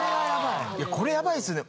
これヤバいっすね。